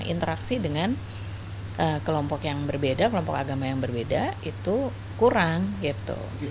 interaksi dengan kelompok yang berbeda kelompok agama yang berbeda itu kurang gitu